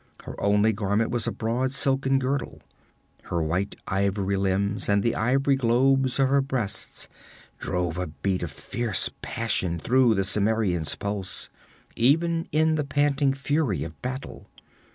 Her only garment was a broad silken girdle. Her white ivory limbs and the ivory globes of her breasts drove a beat of fierce passion through the Cimmerian's pulse, even in the panting fury of battle.